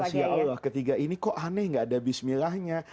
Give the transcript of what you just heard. rahasia allah ketiga ini kok aneh tidak ada bismillahnya